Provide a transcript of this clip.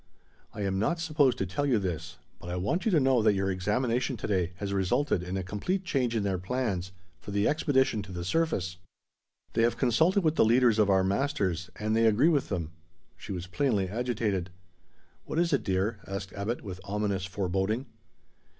"I am not supposed to tell you this, but I want you to know that your examination to day has resulted in a complete change in their plans for the expedition to the surface. They have consulted with the leaders of our masters, and they agree with them." She was plainly agitated. "What is it, dear?" asked Abbot, with ominous foreboding.